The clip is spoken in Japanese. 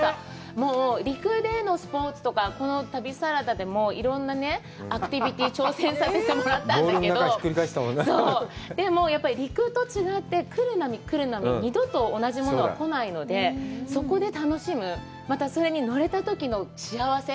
もう陸でのスポーツとかこの旅サラダでもいろんなアクティビティ挑戦させてもらったんだけど、でも、やっぱり陸と違って、来る波来る波二度と同じものが来ないので、そこで楽しむ、またそれに乗れたときの幸せ。